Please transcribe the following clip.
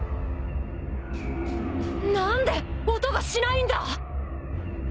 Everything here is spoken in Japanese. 何で音がしないんだ！？